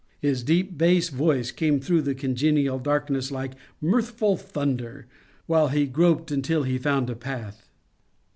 His deep bass voice came through the congenial darkness like mirthful thunder, while he groped until he found a path.